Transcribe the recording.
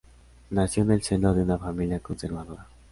Nació en el seno de una familia conservadora.